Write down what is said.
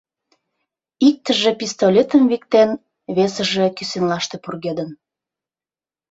Иктыже пистолетым виктен, весыже кӱсенлаште пургедын.